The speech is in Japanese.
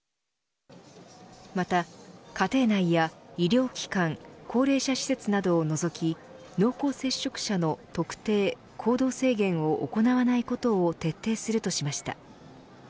また、家庭内や医療機関高齢者施設などを除き濃厚接触者の特定行動制限を行わないことを徹底するとしました。